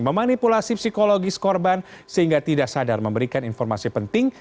memanipulasi psikologis korban sehingga tidak sadar memberikan informasi penting